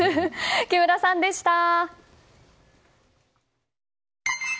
木村さんでした。